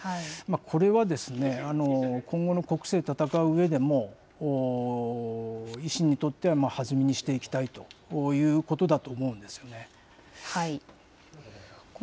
これは今後の国政戦ううえでも、維新にとっては弾みにしていきたいということだと思うんですよね。